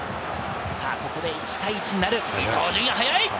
ここで１対１になる伊東純也、速い！